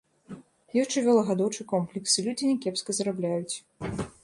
Ёсць жывёлагадоўчы комплекс, і людзі някепска зарабляюць.